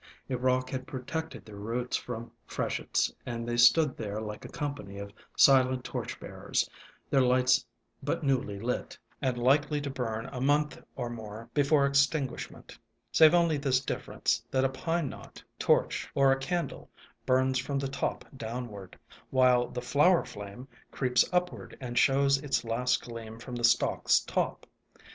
A rock had protected their roots from freshets, and they stood there like a company of silent torch bearers, their lights but newly lit, and likely to burn a month or more before extinguish ment, save only this difference, that a pine knot, torch, or a candle, burns from the top downward, while the flower flame creeps upward and shows its last gleam from the stalk's top.